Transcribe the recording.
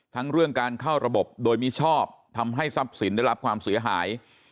ทั้งเรื่องการเข้าระบบโดยมิชอบทำให้ทรัพย์สินได้รับความเสียหาย